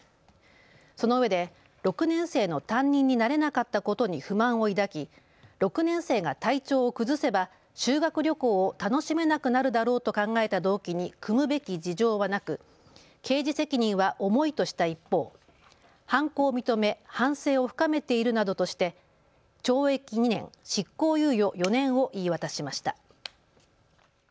そのうえで６年生の担任になれなかったことに不満を抱き６年生が体調を崩せば修学旅行を楽しめなくなるだろうと考えた動機に酌むべき事情はなく、刑事責任は重いとした一方、犯行を認め反省を深めているなどとして懲役２年、執行猶予４年を言い渡しました。